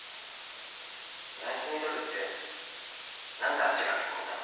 ナイスミドルって何であっちがツッコミなの？